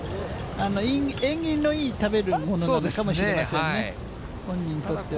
縁起のいい食べるものなのかもしれませんね、本人にとっては。